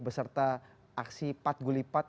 beserta aksi pat gulipat